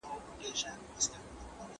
هغه د ښار او کلي ترمنځ توپير کم کړ.